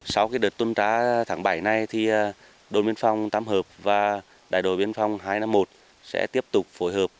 sau đợt tuần tra tháng bảy nay đội biên phòng tám hợp và đại đội biên phòng hai trăm năm mươi một sẽ tiếp tục phối hợp